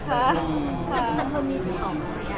แต่คือเธอมีถูกต่อ